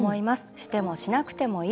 してもしなくてもいい。